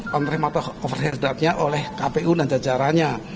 pantre matah overhead nya oleh kpu dan jajarannya